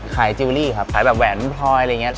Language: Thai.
จิลลี่ครับขายแบบแหวนพลอยอะไรอย่างนี้